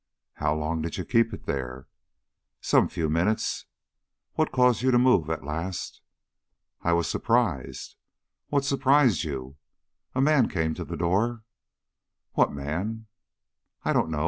"How long did you keep it there?" "Some few minutes." "What caused you to move at last?" "I was surprised." "What surprised you?" "A man came to the door." "What man." "I don't know.